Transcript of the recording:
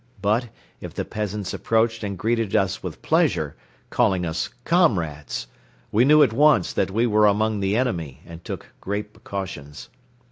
But, if the peasants approached and greeted us with pleasure, calling us "Comrades," we knew at once that we were among the enemy and took great precautions.